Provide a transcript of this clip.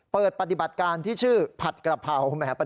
เปิดปฏิบัติการที่ชื่อผัดกระเผา